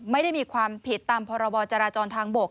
ไม่ได้มีความผิดตามพรบจราจรทางบก